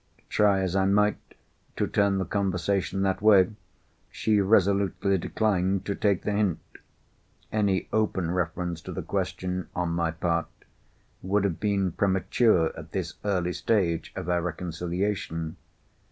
Try as I might to turn the conversation that way, she resolutely declined to take the hint. Any open reference to the question, on my part, would have been premature at this early stage of our reconciliation.